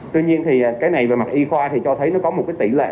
tuy nhiên thì cái này về mặt y khoa thì cho thấy nó có một cái tỷ lệ